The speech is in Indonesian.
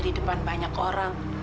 di depan banyak orang